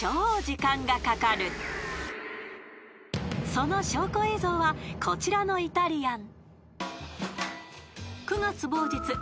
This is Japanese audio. ［その証拠映像はこちらのイタリアン］